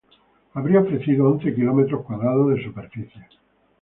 Habría ofrecido once kilómetros cuadrados de superficie.